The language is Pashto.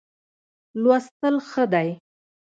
لوستل ښه دی.